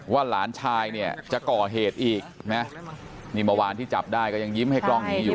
หลานชายเนี่ยจะก่อเหตุอีกนะนี่เมื่อวานที่จับได้ก็ยังยิ้มให้กล้องนี้อยู่